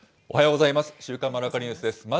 おはようございます。